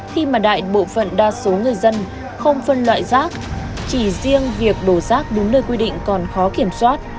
khi mà đại bộ phận đa số người dân không phân loại rác chỉ riêng việc đổ rác đúng nơi quy định còn khó kiểm soát